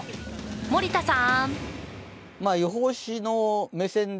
森田さーん！